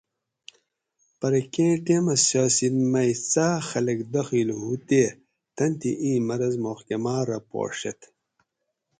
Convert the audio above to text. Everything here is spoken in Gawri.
پرہ کیں ٹیمٞہ سیاسِت مئ څاٞق خلک داخِل ہُو تے تن تھی اِیں مرض محکماٞ رہ پا ݭیت